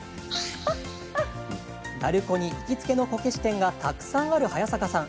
鳴子に行きつけのこけし店がたくさんある早坂さん。